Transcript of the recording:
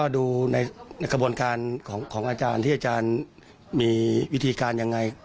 ดูในกระบวนการของอาจารย์ที่อาจารย์มีวิธีการยังไง